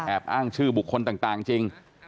อ้างชื่อบุคคลต่างจริง